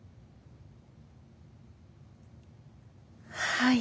はい。